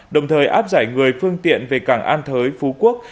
đồng thời áp giải người phương tiện về cảng an thới phú quốc